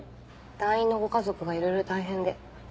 団員のご家族がいろいろ大変で。